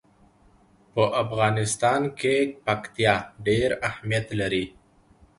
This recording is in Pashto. په افغانستان کې پکتیا ډېر اهمیت لري.